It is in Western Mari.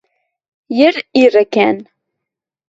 йӹр ирӹкӓн